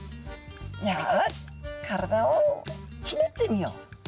「よし体をひねってみよう」。